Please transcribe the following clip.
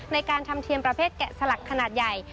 ในการทำเทียมประเภทแกะสลักขนาดใหญ่